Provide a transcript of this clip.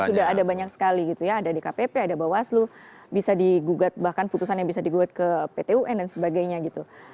sudah ada banyak sekali gitu ya ada dkpp ada bawaslu bisa digugat bahkan putusan yang bisa digugat ke pt un dan sebagainya gitu